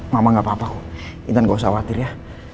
mama gak apa apa idan gak usah khawatir ya